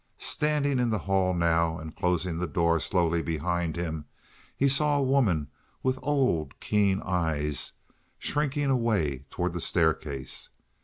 Standing in the hall, now, and closing the door slowly behind him, he saw a woman with old, keen eyes shrinking away toward the staircase.